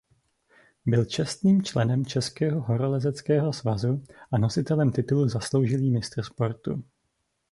Byl čestným členem Českého horolezeckého svazu a nositelem titulu Zasloužilý mistr sportu.